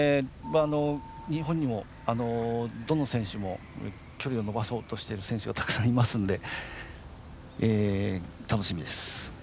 日本にも、どの選手も距離を伸ばそうとしてる選手がたくさんいますんで、楽しみです。